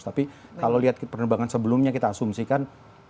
tapi kalau lihat penerbangan sebelumnya kita asumsikan